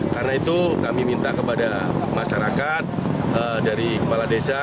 karena itu kami minta kepada masyarakat dari kepala desa